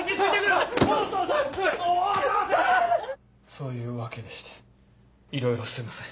そういうわけでしていろいろすいません。